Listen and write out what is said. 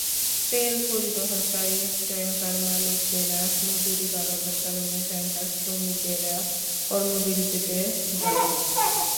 তেল পরিবহনকারী ট্যাংকার মালিকেরা মজুরি বাড়ানোর কারণে ট্যাংকার শ্রমিকেরা কর্মবিরতিতে যাবে না।